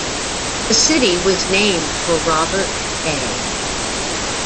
The city was named for Robert A.